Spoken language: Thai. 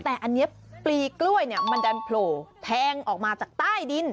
แต่อันนี้ปลีกล้วยเนี่ยมันดันโผล่แทงออกมาจากใต้ดิน